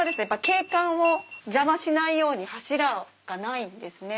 景観を邪魔しないように柱がないんですね。